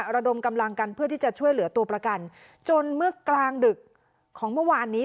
ระดมกำลังกันเพื่อที่จะช่วยเหลือตัวประกันจนเมื่อกลางดึกของเมื่อวานนี้